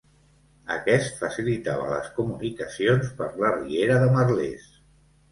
Aquest facilitava les comunicacions per la riera de Merlès.